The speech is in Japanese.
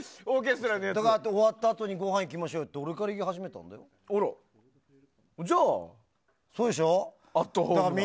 終わったあとにごはん行きましょうよって俺から言い始めたもん。